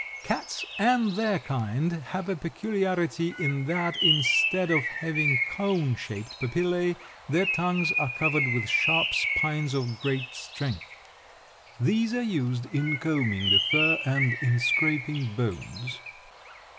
Cats and their kind have a peculiarity in that instead of having cone shaped papillæ their tongues are covered with sharp spines of great strength. These are used in combing the fur and in scraping bones.